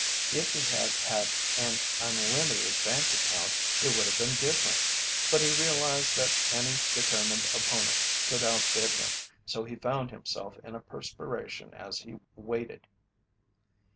If he had had an unlimited bank account it would have been different, but he realized that any determined opponent could outbid him, so he found himself in a perspiration as he waited.